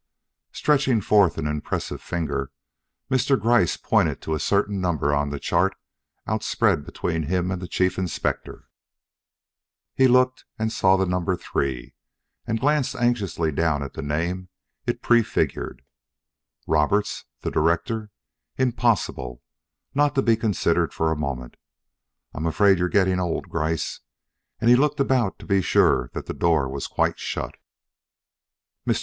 Stretching forth an impressive finger, Mr. Gryce pointed to a certain number on the chart outspread between him and the Chief Inspector. He looked saw the number "3" and glanced anxiously down at the name it prefigured. "Roberts the director! Impossible! Not to be considered for a moment. I'm afraid you're getting old, Gryce." And he looked about to be sure that the door was quite shut. Mr.